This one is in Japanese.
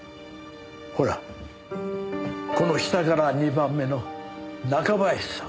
ほらこの下から２番目の中林さん。